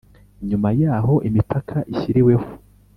Nyuma y’aho imipaka ishyiriweho